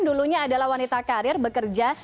dulunya adalah wanita karir bekerja